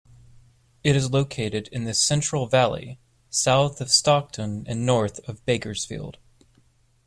It is located in the Central Valley, south of Stockton and north of Bakersfield.